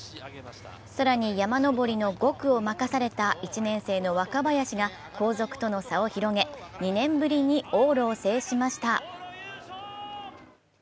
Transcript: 更に山上りの５区を任された１年生の若林が後続との差を広げ、２年ぶりに往路を制しました。